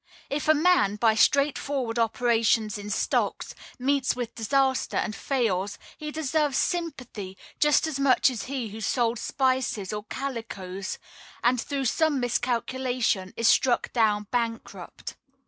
If a man, by straightforward operations in stocks, meets with disaster and fails, he deserves sympathy just as much as he who sold spices or calicoes, and through some miscalculation is struck down bankrupt.